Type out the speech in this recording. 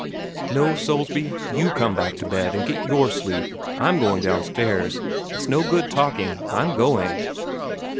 "No, Soulsby, YOU come back to bed, and get YOUR sleep out. I'm going downstairs. It's no good talking; I'm going."